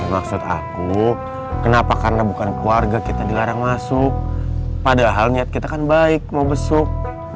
maksud aku kenapa karena bukan keluarga kita dilarang masuk padahal niat kita kan baik mau besuk